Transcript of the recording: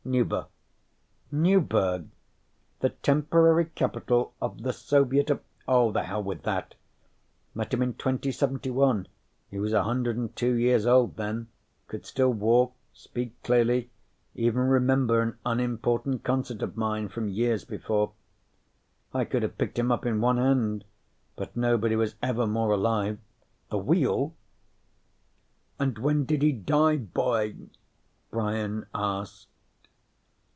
Nuber? Newburg, the temporary capital of the Soviet of oh, the hell with that. Met him in 2071 he was 102 years old then, could still walk, speak clearly, even remember an unimportant concert of mine from years before. I could have picked him up in one hand, but nobody was ever more alive. The wheel?_ "And when did he die, boy?" Brian asked.